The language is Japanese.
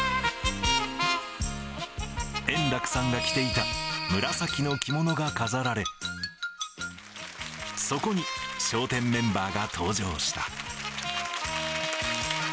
円楽さんが着ていた紫の着物が飾られ、そこに笑点メンバーが登場した。